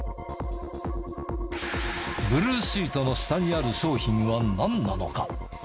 ブルーシートの下にある商品はなんなのか？